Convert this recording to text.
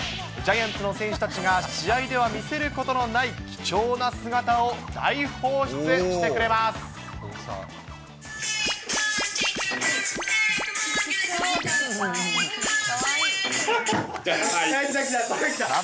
ジャイアンツの選手たちが試合では見せることのない貴重な姿を大やばいって。